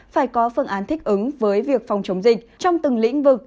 phải có phương án thích ứng với việc phòng chống dịch trong từng lĩnh vực